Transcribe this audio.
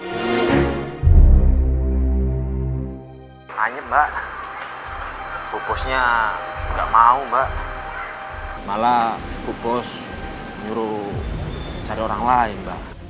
tanya mbak bu bosnya enggak mau mbak malah bu bos nyuruh cari orang lain mbak